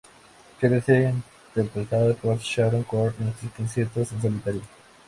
Suele ser interpretada por Sharon Corr en sus conciertos en solitario.